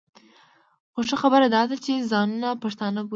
خو ښه خبره دا ده چې ځانونه پښتانه بولي.